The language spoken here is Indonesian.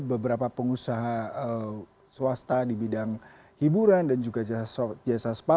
beberapa pengusaha swasta di bidang hiburan dan juga jasa spa